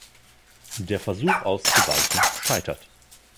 Der Versuch auszuweichen scheitert.